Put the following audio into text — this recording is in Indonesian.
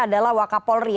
adalah waka polri